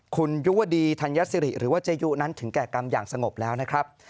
คุณยุวดีธัญสิริหรือว่าเจยุนั้นถึงแก่กรรมอย่างสงบแล้วนะครับ